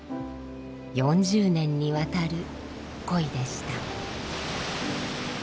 ４０年にわたる恋でした。